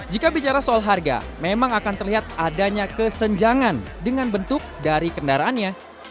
jika bicara soal harga memang akan terlihat adanya kesenjangan dengan bentuk dari kendaraannya